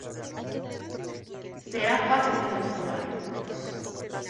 Será fácil de manipular".